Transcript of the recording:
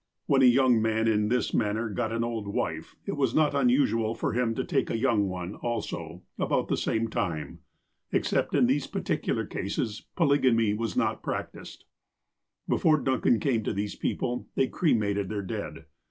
When a young man, in this manner, got an old wife, it was not unusual for him to take a young one, also, about the same time. Except in these particular cases, polygamy was not practiced. Before Duncan came to these people, they cremated their dead.